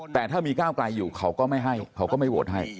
แต่ถ้ามีก้าวไกลอยู่เขาก็ไม่ให้เขาก็ไม่โหวตให้